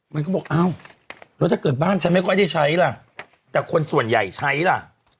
มันก็บอกอ้าวแล้วถ้าเกิดบ้านฉันไม่ค่อยได้ใช้ล่ะแต่คนส่วนใหญ่ใช้ล่ะ